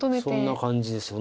そんな感じ。